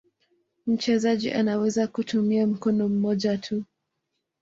Mchezaji anaweza kutumia mkono mmoja tu.